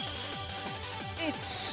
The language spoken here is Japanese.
１。